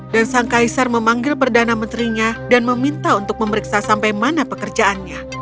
dan sang kaisar memanggil perdana menterinya dan meminta untuk memeriksa sampai mana pekerjaannya